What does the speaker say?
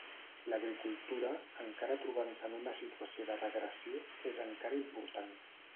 L'agricultura, encara trobant-se en una situació de regressió, és encara important.